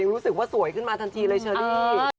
รู้สึกว่าสวยขึ้นมาทันทีเลยเชอรี่